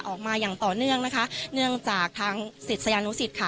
อย่างต่อเนื่องนะคะเนื่องจากทางศิษยานุสิตค่ะ